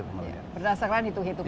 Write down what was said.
berdasarkan itu hitungannya